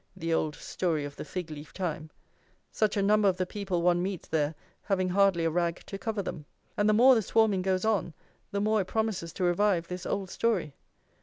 . the old story of the fig leaf time such a number of the people one meets there having hardly a rag to cover them; and the more the swarming goes on, the more it promises to revive this old story.